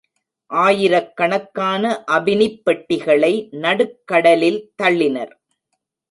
ஆயிரக்கணக்கான அபினிப் பெட்டிகளை நடுக்கடலில் தள்ளினர்.